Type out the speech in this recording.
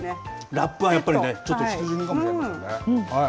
ラップはやっぱりね、ちょっと必需品かもしれないですね。